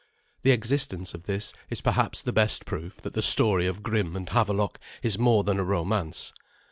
The existence of this is perhaps the best proof that the story of Grim and Havelok is more than a romance.